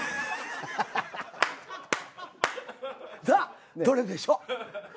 さあどれでしょう？